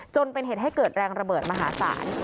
จนเป็นเหตุให้เกิดแรงระเบิดมหาศาล